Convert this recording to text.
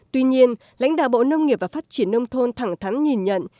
tuy nhiên lãnh đạo bộ nông nghiệp và phát triển nông thôn thẳng thắn nhìn nhận